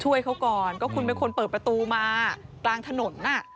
ช่วยเขาก่อนก็คุณเป็นคนเปิดประตูมากลางถนน